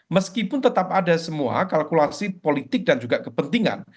meskipun tetap ada semua kalkulasi politik dan juga kepentingan